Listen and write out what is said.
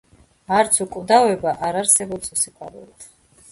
არც უკვდავება არ არსებობს უსიყვარულოდ.